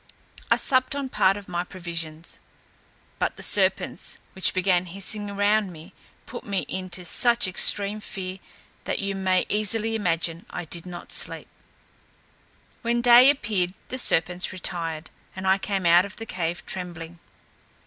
I supped on part of my provisions, but the serpents, which began hissing round me, put me into such extreme fear, that you may easily imagine I did not sleep. When day appeared, the serpents retired, and I came out of the cave trembling.